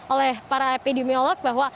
oleh para epidemiolog bahwa